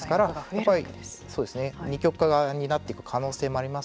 やっぱり二極化になっていく可能性もあります